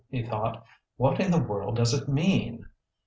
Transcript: he thought. "What in the world does it mean?"